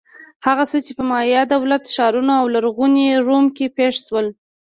هغه څه چې په مایا دولت-ښارونو او لرغوني روم کې پېښ شول.